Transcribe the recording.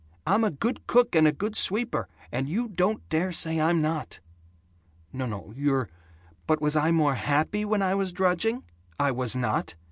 I'm a good cook and a good sweeper, and you don't dare say I'm not!" "N no, you're " "But was I more happy when I was drudging? I was not.